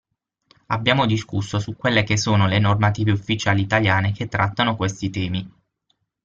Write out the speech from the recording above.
Abbiamo discusso su quelle che sono le normative ufficiali Italiane che trattano questi temi.